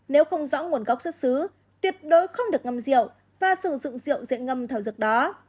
nếu không rõ nguồn gốc xuất xứ tuyệt đối không được ngâm rượu và sử dụng rượu diện ngâm thảo dược đó